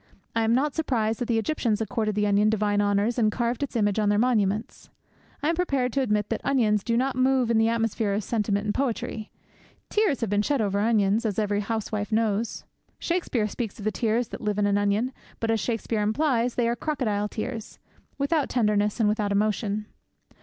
I am not surprised that the Egyptians accorded the onion divine honours and carved its image on their monuments. I am prepared to admit that onions do not move in the atmosphere of sentiment and of poetry. Tears have been shed over onions, as every housewife knows. Shakespeare speaks of the tears that live in an onion. But, as Shakespeare implies, they are crocodile tears without tenderness and without emotion.